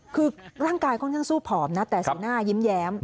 คือร่างกายค่อนข้างสู้ผอมนะแต่สีหน้ายิ้มแย้ม